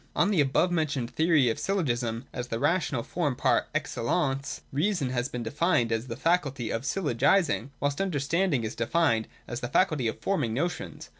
On the above mentioned theory of syllogism, as the ra tional form par excellence, reason has been defined as the faculty of syllogising, whilst understanding is defined as the faculty of forming notions.